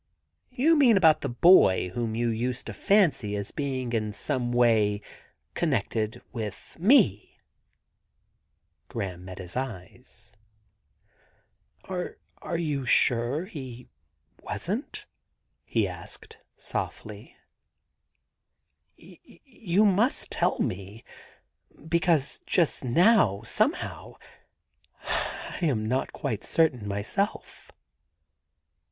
* You mean about the boy whom you used to fancy as being in some way connected with me ?' Graham met his eyes. *Are you quite sure he wasn't?' he asked softly. *You must tell me, be cause just now, somehow, I am not quite certain myself.'